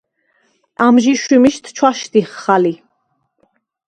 ამჟი შვიმიშდ ჩვაშდიხხ ალი.